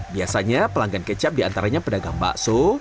biasanya pelanggan kecap diantaranya pedagang bakso